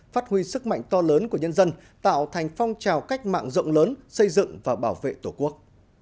phát huy sức mạnh to lớn của nhân dân tạo thành phong trào cách mạng rộng lớn xây dựng và bảo vệ tổ quốc